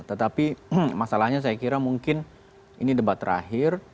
tetapi masalahnya saya kira mungkin ini debat terakhir